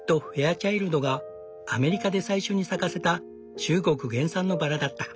チャイルドがアメリカで最初に咲かせた中国原産のバラだった。